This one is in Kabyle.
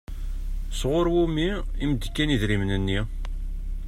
Sɣur wumi i m-d-kan idrimen-nni?